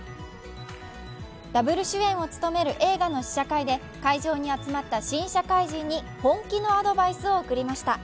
Ｗ主演を務める映画の試写会で会場に集まった新社会人に本気のアドバイスを送りました。